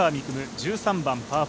１３番パー４。